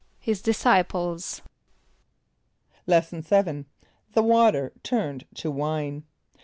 =His disciples.= Lesson VII. The Water Turned to Wine.